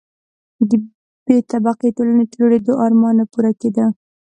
د بې طبقې ټولنې جوړېدو آرمان نه پوره کېده.